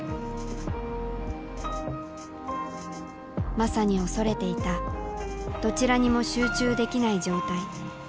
まさに恐れていたどちらにも集中できない状態。